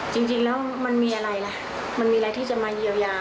จริงแล้วมันมีอะไรล่ะมันมีอะไรที่จะมาเยียวยา